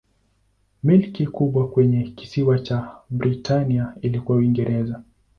Milki kubwa kwenye kisiwa cha Britania ilikuwa Uingereza.